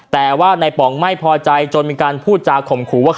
แต่ว่าในป๋องไม่พอใจจนมีการพูดจาข่มขู่ว่า